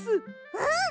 うん！